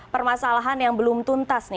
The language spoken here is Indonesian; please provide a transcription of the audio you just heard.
permasalahan yang belum tuntas